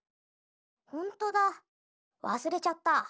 ほんとだわすれちゃった。